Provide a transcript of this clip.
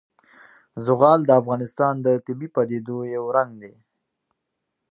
زغال د افغانستان د طبیعي پدیدو یو رنګ دی.